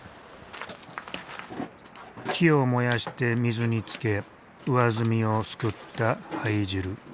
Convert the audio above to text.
木を燃やして水につけ上澄みをすくった灰汁。